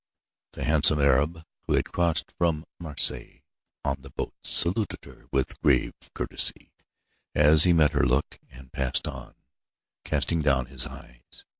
The handsome Arab who had crossed from Marseilles on the boat saluted her with grave courtesy as he met her look, and passed on, casting down his eyes.